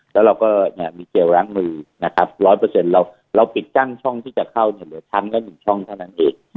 แล้วเราก็มีเจลร้างมือ๑๐๐เราปิดจั้งช่องที่จะเข้าหรือทำก็อยู่ช่องเท่านั้นเอง